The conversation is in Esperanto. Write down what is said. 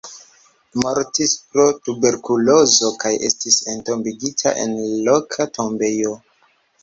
Mortis pro tuberkulozo kaj estis entombigita en loka tombejo.